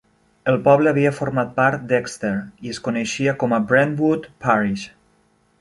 El poble havia format part d'Exeter i es coneixia com a Brentwood Parish.